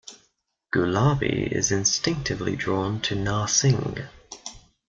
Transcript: Gulabi is instinctively drawn to Narsingh.